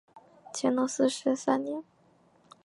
乾隆四十三年。